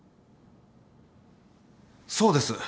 そうです。